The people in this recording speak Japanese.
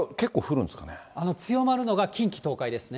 強まるのが近畿東海ですね。